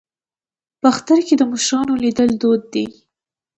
په اختر کې د مشرانو لیدل دود دی.